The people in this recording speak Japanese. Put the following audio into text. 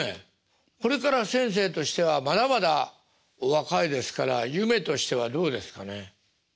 これからは先生としてはまだまだお若いですから夢としてはどうですかね。